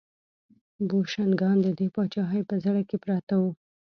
بوشنګان د دې پاچاهۍ په زړه کې پراته وو.